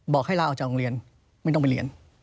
ให้ลาออกจากโรงเรียนไม่ต้องไปเรียน